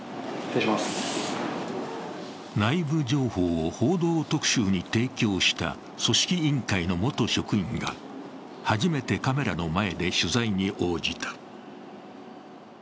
内部情報を「報道特集」に提供した組織委員会の元職員が、初めてカメラの前で取材に応じた。